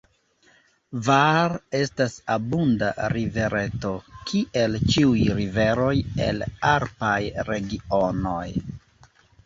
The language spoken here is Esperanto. Var estas abunda rivereto, kiel ĉiuj riveroj el alpaj regionoj.